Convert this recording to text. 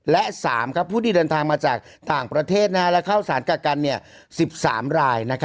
และ๓ผู้ที่เดินทางมาจากต่างประเทศและเข้าสารกักกัน๑๓ราย